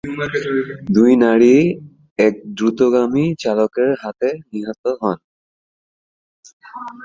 দুই নারীই এক দ্রুতগামী চালকের হাতে নিহত হন।